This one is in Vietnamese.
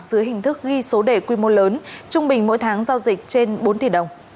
dưới hình thức ghi số đề quy mô lớn trung bình mỗi tháng giao dịch trên bốn tỷ đồng